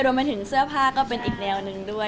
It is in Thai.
รวมไปถึงเสื้อผ้าก็เป็นอีกแนวหนึ่งด้วย